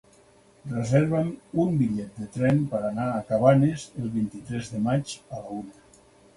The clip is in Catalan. Reserva'm un bitllet de tren per anar a Cabanes el vint-i-tres de maig a la una.